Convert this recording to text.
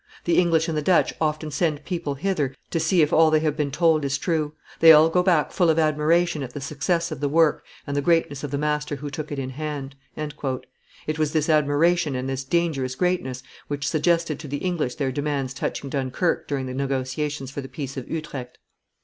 The English and the Dutch often send people hither to see if all they have been told is true; they all go back full of admiration at the success of the work and the greatness of the master who took it in hand." It was this admiration and this dangerous greatness which suggested to the English their demands touching Dunkerque during the negotiations for the peace of Utrecht.